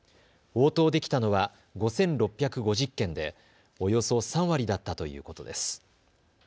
応答できたのは５６５０件でおよそ３割だったということです。